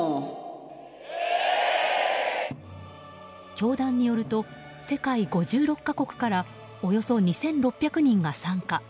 教団によると世界５６か国からおよそ２６００人が参加。